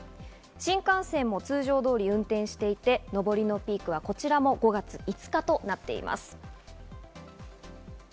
新幹線も通常通り運転していて、上りのピークはこちらも５月５日となっています。